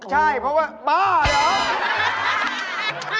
ใช่เพราะว่าบ้าเหรอ